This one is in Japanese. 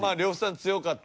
強かった。